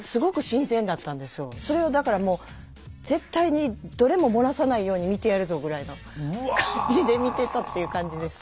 それをだからもう「絶対にどれも漏らさないように見てやるぞ」ぐらいの感じで見てたっていう感じです。